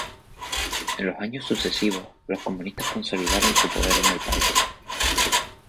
En los años sucesivos los comunistas consolidaron su poder en el país.